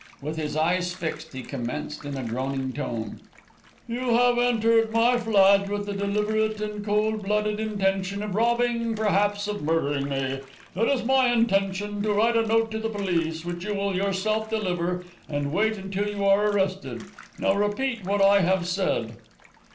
With his eyes fixed, he commenced in a droning tone: "You have entered my flat with the deliberate and cold blooded intention of robbing, perhaps of murdering me. It is my intention to write a note to the police, which you will yourself deliver, and wait until you are arrested. Now repeat what I have said."